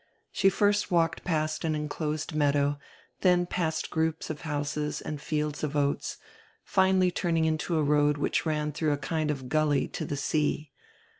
She first walked past an inclosed meadow, dien past groups of houses and fields of oats, finally turning into a road which ran dirough a kind of gully to die sea.